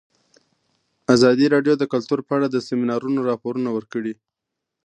ازادي راډیو د کلتور په اړه د سیمینارونو راپورونه ورکړي.